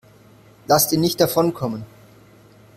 Lasst ihn nicht davonkommen!